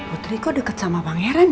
putri kok deket sama pangeran